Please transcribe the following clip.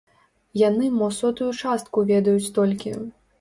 Яны мо сотую частку ведаюць толькі.